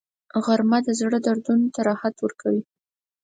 غرمه د زړه دردونو ته راحت ورکوي